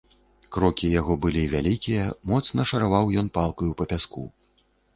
Крокі яго былі вялікія, моцна шараваў ён палкаю па пяску.